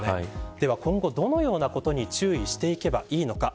では今後、どのようなことに注意していけばいいのか。